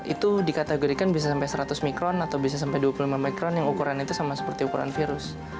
itu dikategorikan bisa sampai seratus mikron atau bisa sampai dua puluh lima mikron yang ukuran itu sama seperti ukuran virus